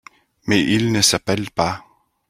Mais il ne s’appelle pas…